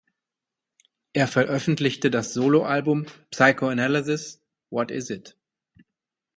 Er veröffentlichte das Solo-Album "Psychoanalysis: What is It?